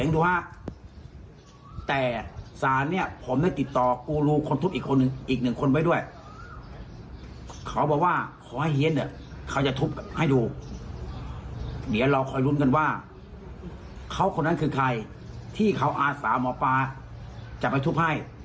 เดี๋ยวเราคอยลุ้นกันว่าเขาคนนั้นคือใครที่เขาอาสาหมอปลาจะไปทุบให้